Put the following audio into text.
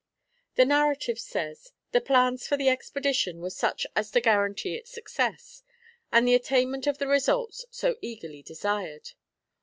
The narrative says, "The plans for the expedition were such as to guarantee its success, and the attainment of the results so eagerly desired.